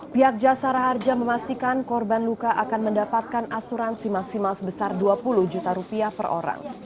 pihak jasara harja memastikan korban luka akan mendapatkan asuransi maksimal sebesar dua puluh juta rupiah per orang